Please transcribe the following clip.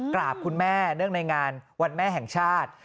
กราบคุณแม่เนื่องในงานวันแม่แห่งชาติ